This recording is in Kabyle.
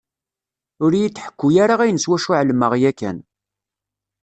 Ur yi-d-ḥekku ara ayen s wacu εelmeɣ yakan.